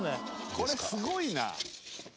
「これすごいな」